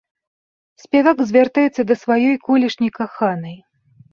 Спявак звяртаецца да сваёй колішняй каханай.